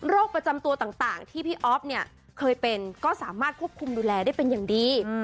ประจำตัวต่างที่พี่อ๊อฟเนี่ยเคยเป็นก็สามารถควบคุมดูแลได้เป็นอย่างดี